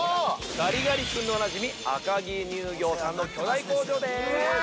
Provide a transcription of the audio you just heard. ◆ガリガリ君でおなじみ、赤城乳業さんの巨大工場です。